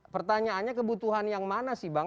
pertanyaannya kebutuhan yang mana sih bang